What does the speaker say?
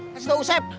kasih tau usep